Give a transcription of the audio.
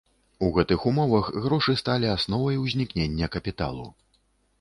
У гэтых умовах грошы сталі асновай узнікнення капіталу.